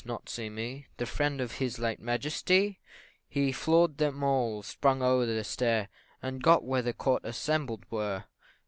not see me, The friend of his late Majesty?" He floor'd them all, sprung o'er the stair And got where the court assembled were.